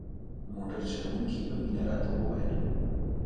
موټر چلوونکي په مینه راته وویل.